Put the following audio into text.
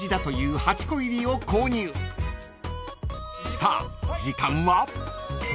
［さあ時間は？］